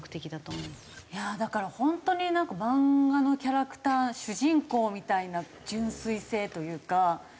いやだから本当になんか漫画のキャラクター主人公みたいな純粋性というか。